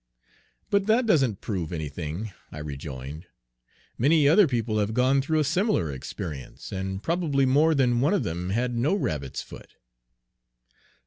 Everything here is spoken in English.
"But that doesn't prove anything," I rejoined. "Many other people have gone through a similar experience, and probably more than one of them had no rabbit's foot."